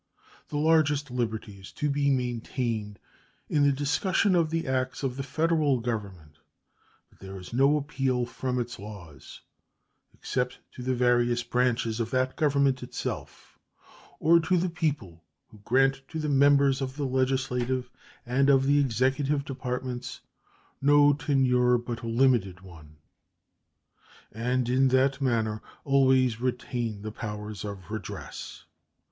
The largest liberty is to be maintained in the discussion of the acts of the Federal Government, but there is no appeal from its laws except to the various branches of that Government itself, or to the people, who grant to the members of the legislative and of the executive departments no tenure but a limited one, and in that manner always retain the powers of redress.